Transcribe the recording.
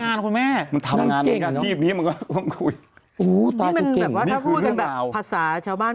ทำงานคุณแม่มันทำงานเลยกันทีบนี้มันก็ต้องคุยนี่มันแบบว่าถ้าพูดแบบภาษาชาวบ้าน